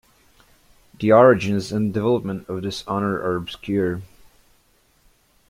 The origins and development of this honour are obscure.